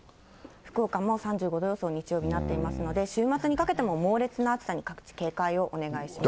福岡も３５度予想、日曜日なってますので、週末にかけても各地警戒をお願いします。